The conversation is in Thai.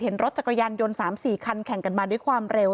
รถจักรยานยนต์๓๔คันแข่งกันมาด้วยความเร็ว